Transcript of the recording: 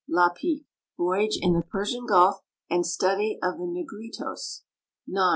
Lapicque, Voyage in the Persian gulf and study of the Negritos ; 9.